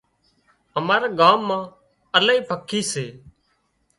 امارا ڳام مان الاهي پکي سي